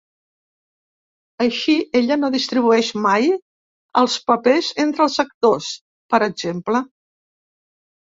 Així, ella no distribueix mai els papers entre els actors, per exemple.